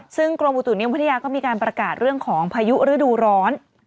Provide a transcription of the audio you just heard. ซึ่งกรมอุตุนิยมวิทยาก็มีการประกาศเรื่องของพายุฤดูร้อน